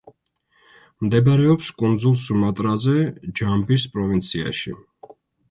მდებარეობს კუნძულ სუმატრაზე, ჯამბის პროვინციაში.